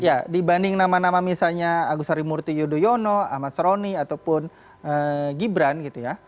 ya dibanding nama nama misalnya agus harimurti yudhoyono ahmad seroni ataupun gibran gitu ya